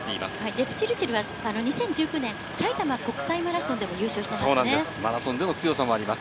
ジェプチルチルは２０１９年さいたま国際マラソンでも優勝しています。